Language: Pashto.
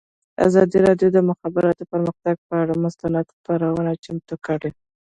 ازادي راډیو د د مخابراتو پرمختګ پر اړه مستند خپرونه چمتو کړې.